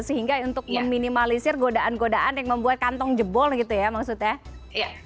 sehingga untuk meminimalisir godaan godaan yang membuat kantong jebol gitu ya maksudnya